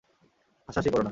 হাসাহাসি কোরো না।